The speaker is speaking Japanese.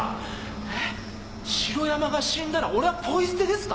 えっ城山が死んだら俺はポイ捨てですか？